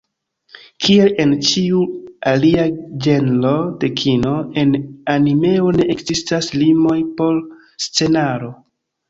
Kiel en ĉiu alia ĝenro de kino, en animeo ne ekzistas limoj por scenaro.